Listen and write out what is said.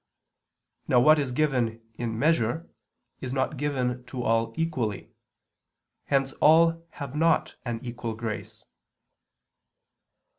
Now what is given in measure, is not given to all equally. Hence all have not an equal grace.